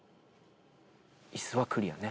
椅子はクリアね。